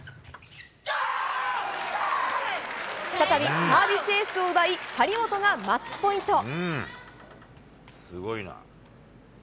再びサービスエースを奪い、張本がマッチポイント。